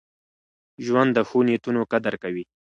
ژوند د ښو نیتونو قدر کوي.